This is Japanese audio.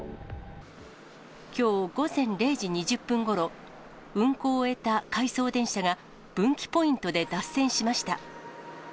きょう午前０時２０分ごろ、運行を終えた回送電車が分岐ポイントで脱線しました。